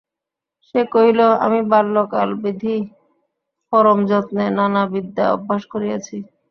সে কহিল আমি বাল্যকালবিধি পরম যত্নে নানা বিদ্যা অভ্যাস করিয়াছি।